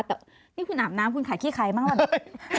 แต่นี่คุณอาบน้ำคุณขาดขี้ไขมั้งหรือ